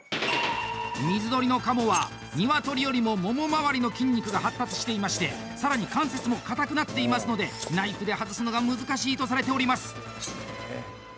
水鳥の鴨は鶏よりもモモ周りの筋肉が発達していまして、さらに関節も硬くなっていますのでナイフで外すのが難しいとされております。